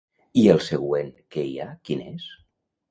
I el següent que hi ha quin és?